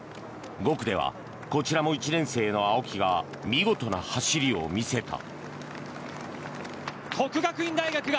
５区ではこちらも１年生の青木が見事な走りを見せた。